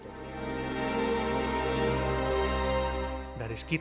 tanaman tanaman dari anak anak